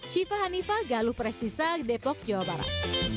syifa hanifah galuh prestisa depok jawa barat